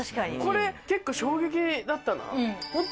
これ結構衝撃だったな。